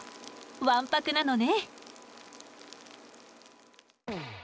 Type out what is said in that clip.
わんぱくなのね。